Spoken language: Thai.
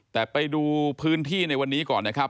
แต่ไปดูพื้นที่ในวันนี้ก่อนนะครับ